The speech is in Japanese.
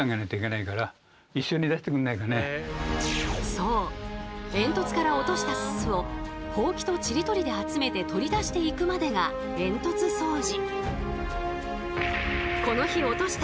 そう煙突から落としたススをホウキとちり取りで集めて取り出していくまでが煙突掃除。